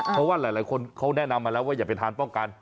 เพราะว่าหลายคนเขาแนะนำมาแล้วว่าอย่าไปทานป้องกัน